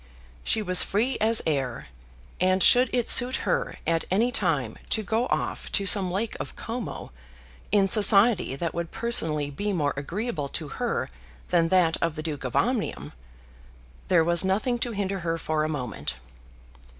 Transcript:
She was free as air, and should it suit her at any time to go off to some lake of Como in society that would personally be more agreeable to her than that of the Duke of Omnium, there was nothing to hinder her for a moment.